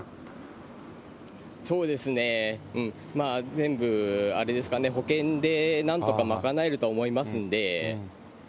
全部あれですかね、保険でなんとか賄えるとは思いますんで。